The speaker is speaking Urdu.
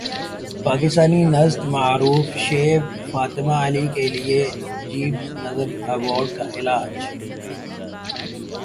پاکستانی نژاد معروف شیف فاطمہ علی کیلئے جیمز بیئرڈ ایوارڈ کا اعلان